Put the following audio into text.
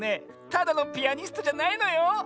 ただのピアニストじゃないのよ。